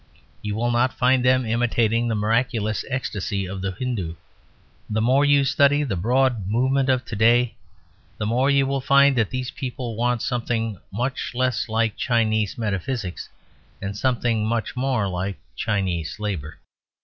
You will not find them imitating the miraculous ecstasy of the Hindoo. The more you study the "broad" movement of today, the more you will find that these people want something much less like Chinese metaphysics, and something much more like Chinese Labour.